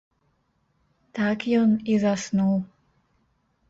Так ён і заснуў.